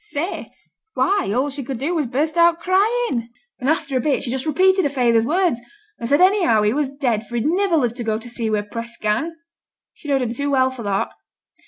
'Say? why, a' she could say was to burst out crying, and after a bit, she just repeated her feyther's words, and said anyhow he was dead, for he'd niver live to go to sea wi' a press gang. She knowed him too well for that.